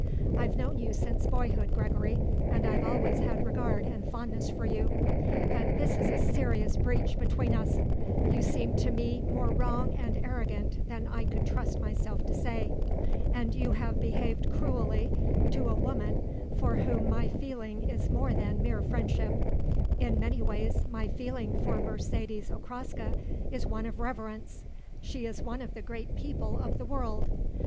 I've known you since boyhood, Gregory, and I've always had regard and fondness for you; but this is a serious breach between us. You seem to me more wrong and arrogant than I could trust myself to say. And you have behaved cruelly to a woman for whom my feeling is more than mere friendship. In many ways my feeling for Mercedes Okraska is one of reverence. She is one of the great people of the world.